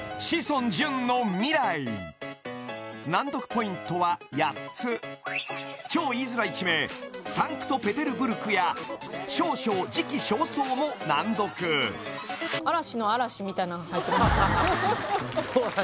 ポイントは８つ超言いづらい地名「サンクトペテルブルク」や「少々時期尚早」の難読なの入ってますそうだ